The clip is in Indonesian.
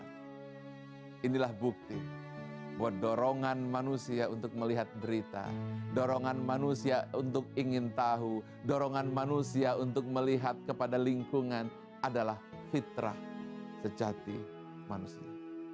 karena inilah bukti buat dorongan manusia untuk melihat berita dorongan manusia untuk ingin tahu dorongan manusia untuk melihat kepada lingkungan adalah fitrah sejati manusia